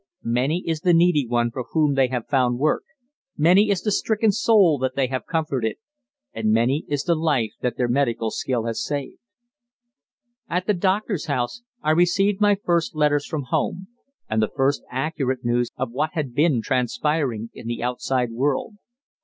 Many is the needy one for whom they have found work, many is the stricken soul that they have comforted, and many is the life that their medical skill has saved. At the doctor's house I received my first letters from home, and the first accurate news of what had been transpiring in the outside world.